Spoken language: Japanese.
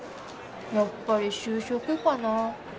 やっぱり就職かな。